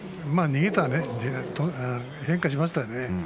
逃げたね変化しましたね。